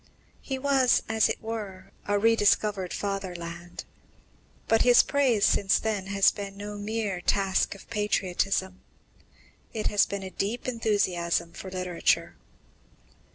He was, as it were, a re discovered fatherland. But his praise since then has been no mere task of patriotism. It has been a deep enthusiasm for literature.